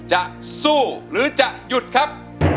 จะสู้หรือจะหยุดครับ